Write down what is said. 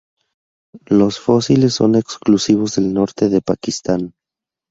Los fósiles son exclusivos del norte de Pakistán.